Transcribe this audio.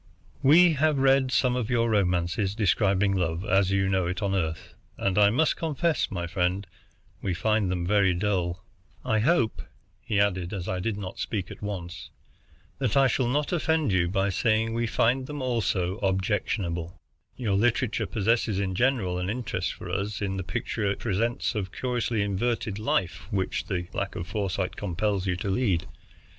We have read some of your romances describing love as you know it on Earth, and I must confess, my friend, we find them very dull. "I hope," he added, as I did not at once speak, "that I shall not offend you by saying we find them also objectionable. Your literature possesses in general an interest for us in the picture it presents of the curiously inverted life which the lack of foresight compels you to lead.